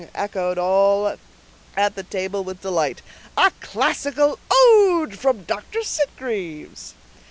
echoed all at the table with delight; "a classical ode from Dr. Sitgreaves!"